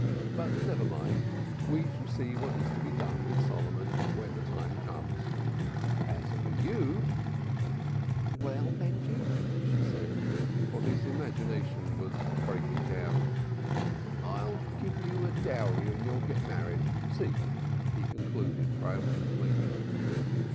But never mind! We shall see what is to be done with Solomon when the time comes. As for you " "Well, Benjy," she said, for his imagination was breaking down. "I'll give you a dowry and you'll get married. See!" he concluded triumphantly.